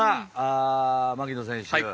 槙野選手